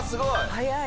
早い。